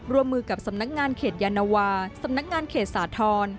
ร่วมมือกับสำนักงานเขตยานวาสำนักงานเขตสาธรณ์